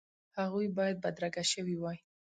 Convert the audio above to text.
هغوی باید بدرګه شوي وای.